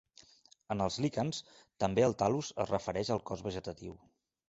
En els líquens també el tal·lus es refereix al cos vegetatiu.